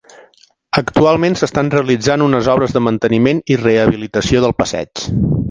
Actualment s'estan realitzant unes obres de manteniment i rehabilitació del passeig.